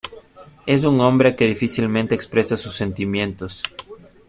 Es un hombre que difícilmente expresa sus sentimientos.